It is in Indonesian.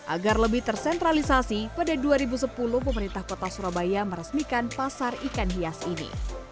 agar lebih tersentralisasi pada dua ribu sepuluh pemerintah kota surabaya meresmikan pasar ikan hias ini